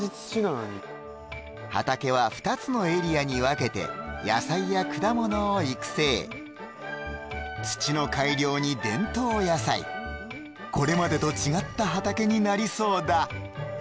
畑は２つのエリアに分けて野菜や果物を育成土の改良に伝統野菜なりそうだ